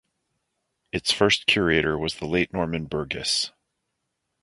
Its first curator was the late Norman Burgess.